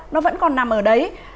nó vẫn còn nằm ở đấy